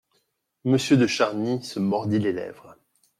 Monsieur de Charny se mordit les lèvres.